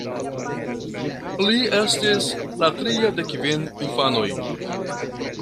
Li estis la tria de kvin infanoj.